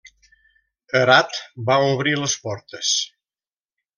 Herat va obrir les portes.